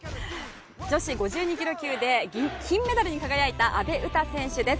女子５２ｋｇ級で金メダルに輝いた阿部詩選手です。